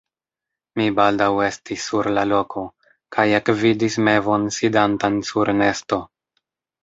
Mi baldaŭ estis sur la loko, kaj ekvidis mevon sidantan sur nesto.